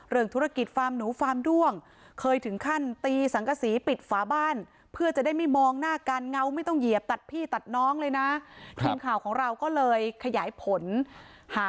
เรื่องธุรกิจฟาร์มหนูฟาร์มด้วงเคยถึงขั้นตีสังกษีปิดฝาบ้านเพื่อจะได้ไม่มองหน้ากันเงาไม่ต้องเหยียบตัดพี่ตัดน้องเลยนะทีมข่าวของเราก็เลยขยายผลหา